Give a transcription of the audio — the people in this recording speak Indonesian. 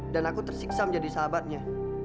dan aku tersiksa menjadi sahabatnya